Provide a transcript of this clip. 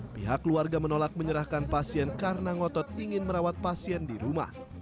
pihak keluarga menolak menyerahkan pasien karena ngotot ingin merawat pasien di rumah